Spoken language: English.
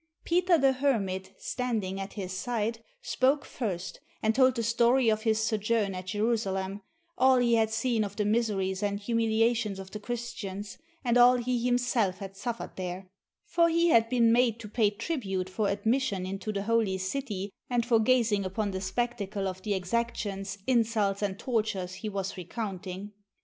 Peter the Hermit, standing at his side, spoke first, and told the story of his sojourn at Jerusalem, all he had seen of the miseries and humilia tions of the Christians, and all he himself had suffered there; for he had been made to pay tribute for admission into the Holy City, and for gazing upon the spectacle of the exactions, insults, and tortures he was recounting.